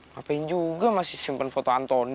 ngapain juga masih simpen foto antoni